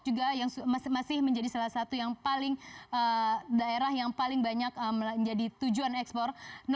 juga yang masih menjadi salah satu yang paling daerah yang paling banyak menjadi tujuan ekspor